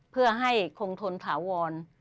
เพื่อให้คงทนถาวร